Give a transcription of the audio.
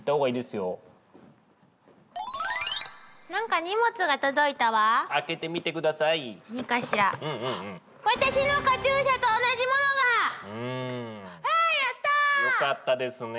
よかったですね。